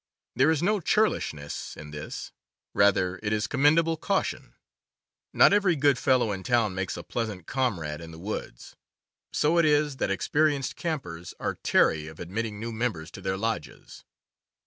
There is no churlishness in this; rather it is commend able caution. Not every good fellow in town makes a pleasant comrade in the woods. So it is that experi enced campers are chary of admitting new members to their lodges.